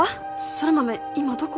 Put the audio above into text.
空豆今どこ？